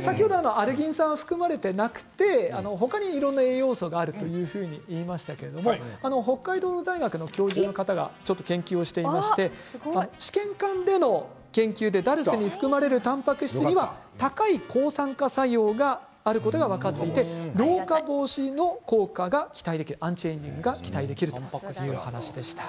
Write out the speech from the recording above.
先ほどアルギン酸は含まれていなくて他にいろんな栄養素があると言いましたけれども北海道大学の教授の方が研究をしていまして試験管での研究でダルスに含まれるたんぱく質には高い抗酸化作用があることが分かっていて老化防止の効果が期待できるアンチエージングが期待できるという話でした。